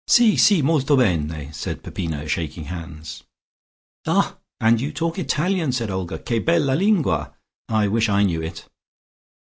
"Si, si molto bene," said Peppino, shaking hands. "Ah, and you talk Italian," said Olga. "Che bella lingua! I wish I knew it."